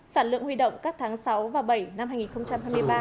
sản lượng huy động các tháng sáu và bảy năm hai nghìn hai mươi ba